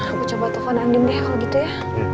aku coba telfon andien deh kalau gitu ya